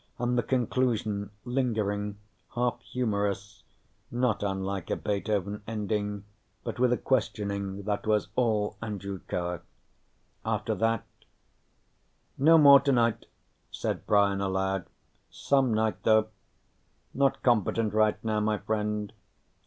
And the conclusion, lingering, half humorous, not unlike a Beethoven ending, but with a questioning that was all Andrew Carr. After that "No more tonight," said Brian aloud. "Some night, though.... Not competent right now, my friend.